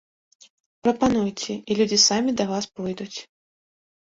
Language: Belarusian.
Прапануйце, і людзі самі да вас пойдуць.